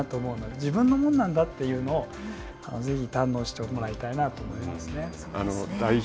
自分のものなんだというのをぜひ堪能してもらいたいなと思いますね。